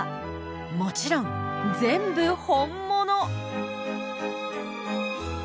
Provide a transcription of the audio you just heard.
もちろん全部本物！